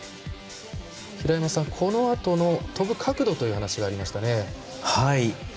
平山さん、このあとの飛ぶ角度という話がありましたね。